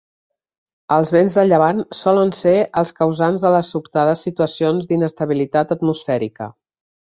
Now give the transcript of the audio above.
Els vents de llevant solen ser els causants de les sobtades situacions d'inestabilitat atmosfèrica.